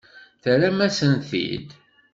Terram-asent-t-id.